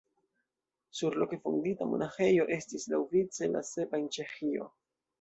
Surloke fondita monaĥejo estis laŭvice la sepa en Ĉeĥio.